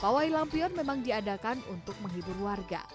pawai lampion memang diadakan untuk menghibur warga